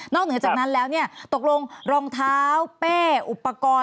เหนือจากนั้นแล้วเนี่ยตกลงรองเท้าเป้อุปกรณ์